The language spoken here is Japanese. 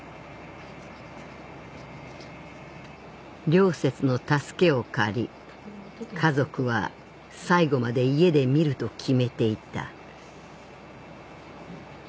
良雪の助けを借り家族は最期まで家で見ると決めていた